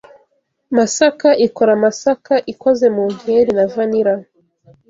Masaka ikora Masaka ikoze mu nkeri na vanilla